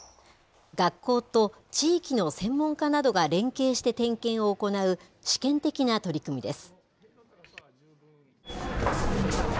学校と地域の専門家などが連携して点検を行う、試験的な取り組みです。